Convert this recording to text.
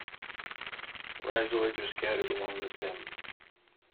Rhizoids are scattered along the stem.